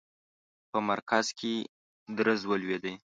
په مرکز کې درز ولوېدی.